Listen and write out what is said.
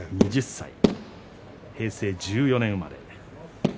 ２０歳、平成１４年生まれ。